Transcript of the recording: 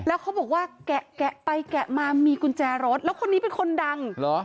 แล้วเขาบอกว่าแกะไปแกะมามีกุญแจรถแล้วคนนี้เป็นคนดังเหรอ